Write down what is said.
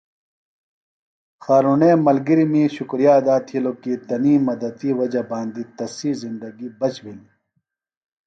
خارُݨے ملگرمی شکُریہ ادا تِھیلوۡ کی تنی مدتی وجہ باندی تسی زندگیۡ بچ بِھلیۡ۔